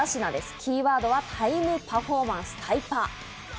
キーワードはタイムパフォーマンス、タイパ。